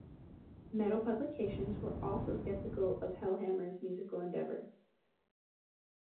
Metal publications were also skeptical of Hellhammer's musical endeavor.